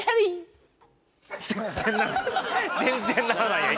全然鳴らない